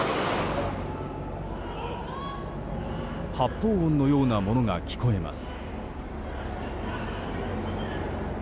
発砲音のようなものが聞こえます。